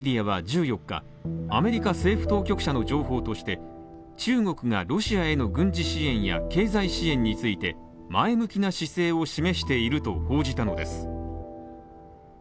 一部の欧米メディアは１４日アメリカ政府当局者の情報として中国がロシアへの軍事支援や経済支援について前向きな姿勢を示していると報じたのです。